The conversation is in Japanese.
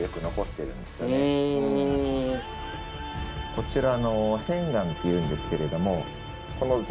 こちら。